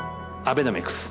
アベノミクス。